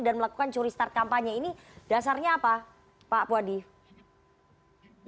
dan melakukan curi start kampanye ini dasarnya apa pak puadi